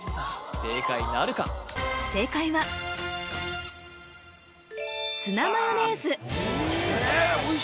正解なるか正解はツナマヨネーズええっ